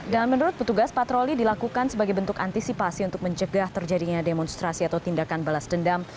dan menurut petugas patroli dilakukan sebagai bentuk antisipasi untuk mencegah terjadinya demonstrasi atau tindakan balas dendam